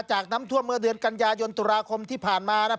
จากน้ำทั่วเมื่อเดือนกันยายนวันธุราคมที่ผ่านมารัฐ